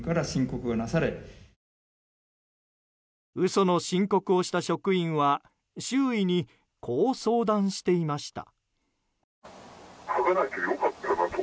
嘘の申告をした職員は周囲にこう相談していました。